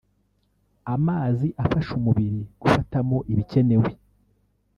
amazi afasha umubiri gufatamo ibikenewe